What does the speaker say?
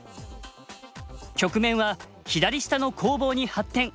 局面は左下の攻防に発展。